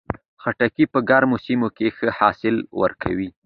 خټکی په ګرمو سیمو کې ښه حاصل ورکوي.